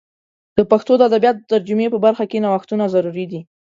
د پښتو د ادبیاتو د ترجمې په برخه کې نوښتونه ضروري دي.